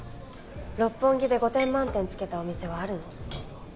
六本木で５点満点つけたお店はあるの？